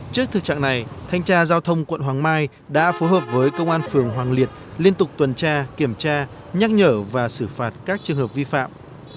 trước thực trạng này thanh tra giao thông quận hoàng mai đã phối hợp với công an phường hoàng liệt liên tục tuần tra kiểm tra nhắc nhở và xử phạt các trường hợp vi phạm